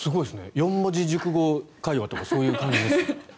四文字熟語会話とかそういう感じですね。